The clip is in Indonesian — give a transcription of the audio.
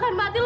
yang mana tuh